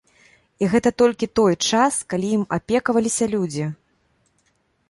І гэта толькі той час, калі ім апекаваліся людзі.